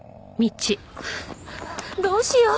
どうしよう。